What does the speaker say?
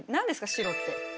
白って。